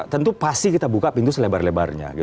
tentu pasti kita buka pintu selebar lebarnya